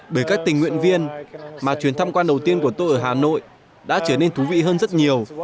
bởi các tình nguyện viên mà chuyến thăm quan đầu tiên của tôi ở hà nội đã trở nên thú vị hơn rất nhiều